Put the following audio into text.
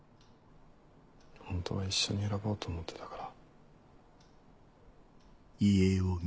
ホントは一緒に選ぼうと思ってたから。